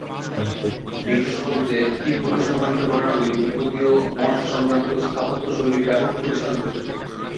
বিংশ শতাব্দীতে তিব্বতে সংঘটিত ঘটনাগুলি তিব্বতীয় মঠ সংক্রান্ত স্থাপত্যশৈলীর ব্যাপক ক্ষতি সাধন করেছিল।